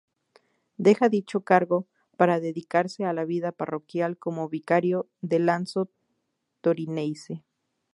Dejó dicho cargo, para dedicarse a la vida parroquial como vicario de Lanzo Torinese.